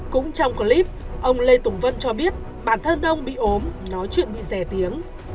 cũng trong clip ông lê tùng vân cho biết bản thân ông bị ốm nói chuyện bị rẻ tiếng